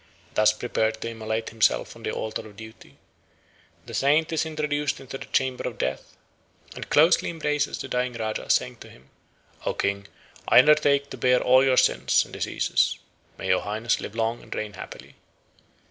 Thus prepared to immolate himself on the altar of duty, the saint is introduced into the chamber of death, and closely embraces the dying Rajah, saying to him, "O King, I undertake to bear all your sins and diseases. May your Highness live long and reign happily."